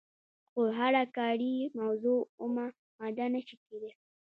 خو هره کاري موضوع اومه ماده نشي کیدای.